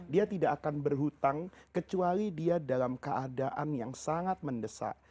dia tidak akan berhutang kecuali dia dalam keadaan yang sangat mendesak